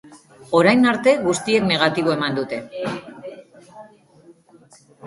Orain arte guztiek negatibo eman dute.